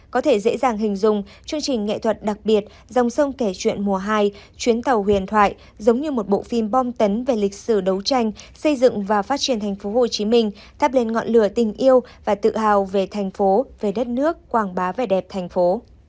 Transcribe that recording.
có thể dễ dàng hình dung chương trình nghệ thuật đặc biệt dòng sông kể chuyện mùa hai chuyến tàu huyền thoại giống như một bộ phim bom tấn về lịch sử đấu tranh xây dựng và phát triển tp hcm thắp lên ngọn lửa tình yêu và tự hào về thành phố về đất nước quảng bá vẻ đẹp thành phố